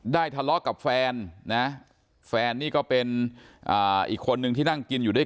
ทะเลาะกับแฟนนะแฟนนี่ก็เป็นอีกคนนึงที่นั่งกินอยู่ด้วย